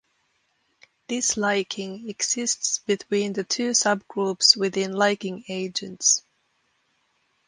Disliking exists between the two subgroups within liking agents.